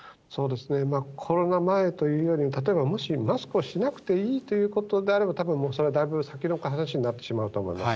コロナ前というより、例えばもしマスクをしなくていいということであれば、たぶん、それはだいぶ先の話になってしまうと思います。